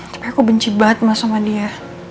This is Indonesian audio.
tapi aku benci banget sama dia